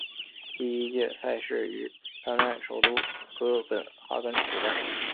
第一届赛事于丹麦首都哥本哈根主办。